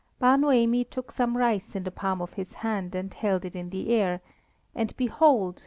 Bar Noemi took some rice in the palm of his hand and held it in the air, and behold!